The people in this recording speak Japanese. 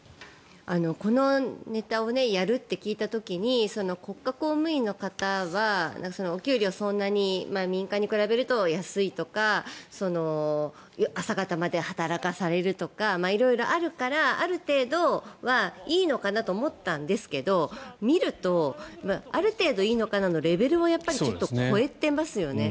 このネタをやるって聞いた時に、国家公務員の方はお給料そんなに民間に比べると安いとか朝方まで働かされるとか色々あるからある程度はいいのかなと思ったんですけど見るとある程度いいのかなのレベルをちょっと超えていますよね。